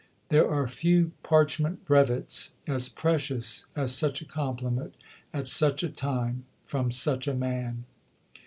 There are few parchnient brevets as ' ua!^^' precious as such a compliment, at such a time, from such a man.